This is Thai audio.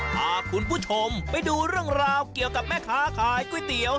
พาคุณผู้ชมไปดูเรื่องราวเกี่ยวกับแม่ค้าขายก๋วยเตี๋ยว